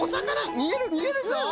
みえるみえるぞ。